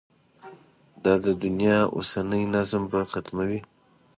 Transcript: دا د دنیا اوسنی نظم به ختموي.